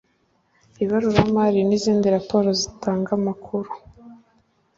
Ibaruramari n’izindi raporo bitanga amakuru